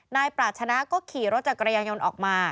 นายปราชนะก็ขี่รถจักรยานยนต์ออกมา